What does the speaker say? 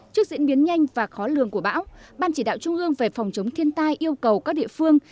trước diễn biến nhanh và khó lường của bão ban chỉ đạo trung ương về phòng chống thiên tai yêu cầu các địa phương